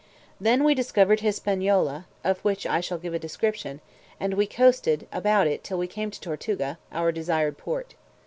Then we discovered Hispaniola (of which I shall give a description), and we coasted about it till we came to Tortuga, our desired port.